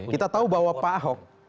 kita tahu bahwa pak ahok